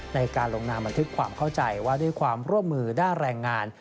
ในการลงนามบันทึกความเข้าใจว่าด้วยความร่วมมือด้านแรงงาน